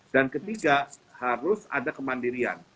dan ketiga harus ada kemandirian